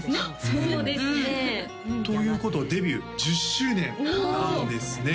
そうですねということはデビュー１０周年なんですね